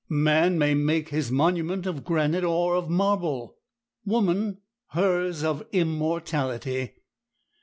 Man may make his monument of granite or of marble, woman hers of immortality.